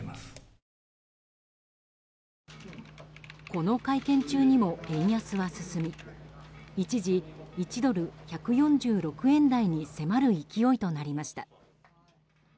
この会見中にも円安は進み一時、１ドル＝１４６円台に迫る勢いとなりました。